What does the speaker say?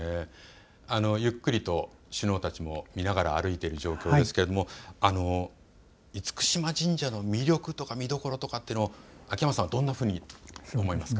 ゆっくりと首脳たちも見ながら歩いている状況ですけれども厳島神社の魅力とか見どころとかって、秋山さんはどんなふうに思いますか。